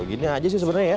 gini aja sih sebenarnya ya